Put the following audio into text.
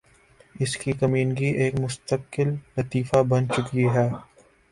اس کی کمینگی ایک مستقل لطیفہ بن چکی ہے